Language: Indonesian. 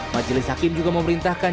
majelis hakim juga memerintahkan